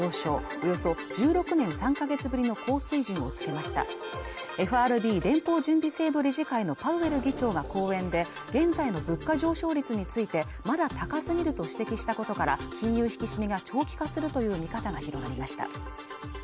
およそ１６年３か月ぶりの高水準をつけましたＦＲＢ＝連邦準備制度理事会のパウエル議長が講演で現在の物価上昇率についてまだ高すぎると指摘したことから「ダイアモンドだね」